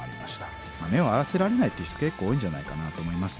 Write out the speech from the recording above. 目を合わせられないっていう人結構多いんじゃないかなと思いますね。